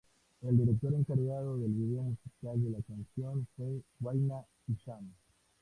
El director encargado del video musical de la canción fue Wayne Isham.